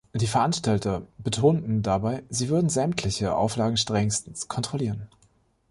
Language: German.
Die Veranstalter betonten dabei, sie würden sämtliche Auflagen strengstens kontrollieren.